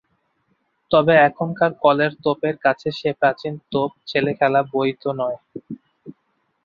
তবে এখনকার কলের তোপের কাছে সে প্রাচীন তোপ ছেলেখেলা বৈ তো নয়।